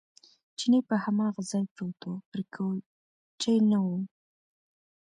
چیني په هماغه ځای پروت و، پر کوچې نه و.